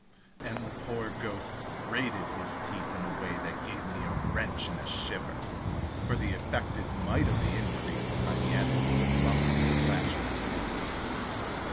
and the poor ghost grated his teeth in a way that gave me a wrench and a shiver for the effect is mightily increased by the absence of muffling flesh and cuticle.